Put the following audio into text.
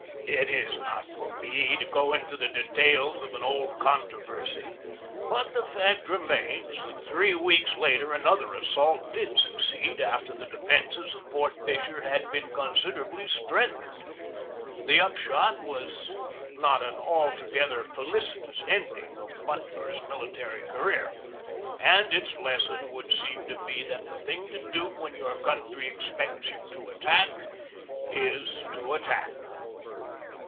It is not for me to go into the details of an old controversy; but the fact remains that three weeks later another assault did succeed after the defences of Fort Fisher had been considerably strengthened. The upshot was not an altogether felicitous ending of Butler's military career, and its lesson would seem THE BATTLE OF FORT FISHER 133 to be that the thing to do when your country ex pects you to attack is to attack.